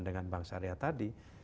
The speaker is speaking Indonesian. dengan bank syariah tadi